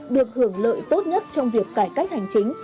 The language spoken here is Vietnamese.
được hưởng lợi tốt nhất trong việc cải cách hành chính